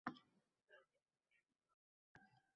Uni tushlarimda ham ko‘rganman.